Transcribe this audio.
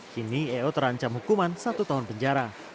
kini eo terancam hukuman satu tahun penjara